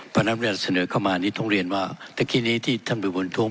พนักเรียนเสนอเข้ามาอันนี้ต้องเรียนว่าตะกี้นี้ที่ท่านบิวบุญท้วง